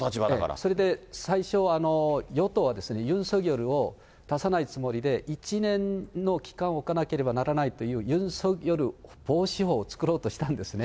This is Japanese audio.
それで最初は、与党はユン・ソギョルを出さないつもりで、１年の期間をおかなければならないというユン・ソギョル防止法を作ろうとしたんですね。